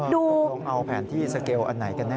อ้าวต้องเอาแผนที่สเกลอันไหนกันแน่